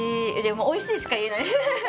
おいしいしか言えないフフフ。